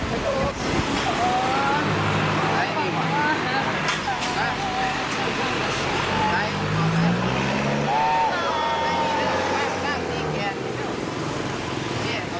อ้าวอ้าวเก็บตาอยู่ตรงนั้นไงอ้าวค่ะ